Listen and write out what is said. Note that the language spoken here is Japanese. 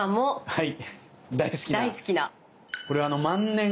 はい。